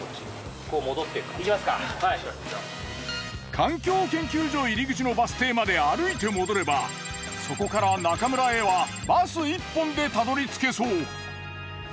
環境研究所入口のバス停まで歩いて戻ればそこから中村へはバス１本でたどり着けそう。